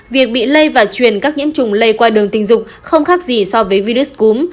việc bị lây và truyền các nhiễm trùng lây qua đường tình dục không khác gì so với virus cúm